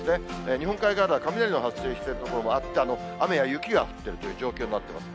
日本海側では雷の発生している所もあって、雨や雪が降っているという状況になってます。